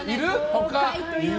他。